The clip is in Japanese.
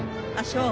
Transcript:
そう。